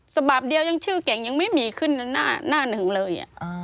ฉบับเดียวยังชื่อเก่งยังไม่มีขึ้นหน้าหนึ่งเลย